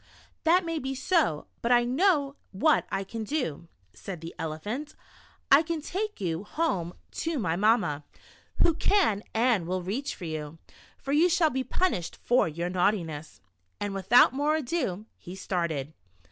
" That may be so, but I know what I can do," said the Elephant. " I can take you home to my 142 Monkey Tricks in the Jungle. mamma who can and will reach you, for you shall be punished for your naughtiness," and without more ado, he started.